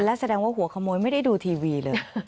แล้วแสดงว่าหัวขโมยไม่ได้ดูทีวีเลย